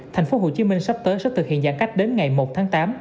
thành phố hồ chí minh sắp tới sẽ thực hiện giãn cách đến ngày một tháng tám